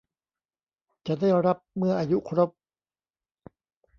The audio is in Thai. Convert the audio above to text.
จะได้รับเมื่ออายุครบ